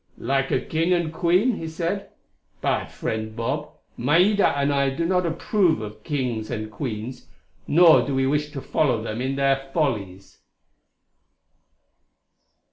"Like a king and queen," he said. "But, friend Bob, Maida and I do not approve of kings and queens, nor do we wish to follow them in their follies.